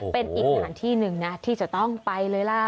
เป็นอีกสถานที่หนึ่งนะที่จะต้องไปเลยล่ะ